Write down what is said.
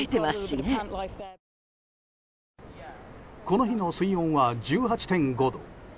この日の水温は１８．５度。